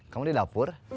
kamu di dapur